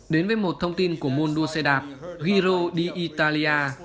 đến với một thông tin của môn đua xe đạp giro di italia